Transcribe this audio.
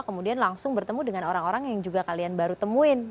kemudian langsung bertemu dengan orang orang yang juga kalian baru temuin